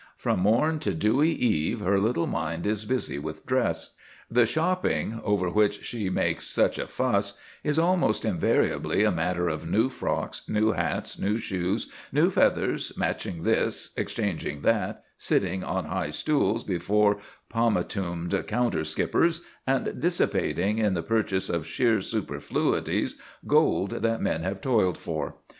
From morn to dewy eve her little mind is busy with dress. The shopping, over which she makes such a fuss, is almost invariably a matter of new frocks, new hats, new shoes, new feathers, matching this, exchanging that, sitting on high stools before pomatumed counter skippers, and dissipating, in the purchase of sheer superfluities, gold that men have toiled for.